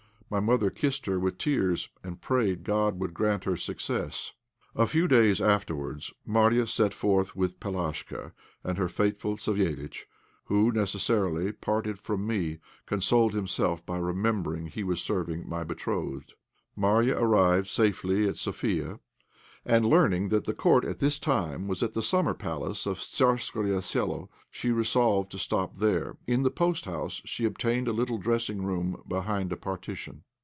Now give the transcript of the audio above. My mother kissed her with tears, and prayed God would grant her success. A few days afterwards Marya set forth with Palashka and her faithful Savéliitch, who, necessarily, parted from me, consoled himself by remembering he was serving my betrothed. Marya arrived safely at Sofia, and, learning that the court at this time was at the summer palace of Tzarskoe Selo, she resolved to stop there. In the post house she obtained a little dressing room behind a partition.